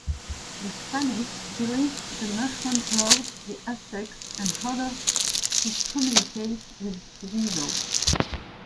The Spanish believed the mushroom allowed the Aztecs and others to communicate with devils.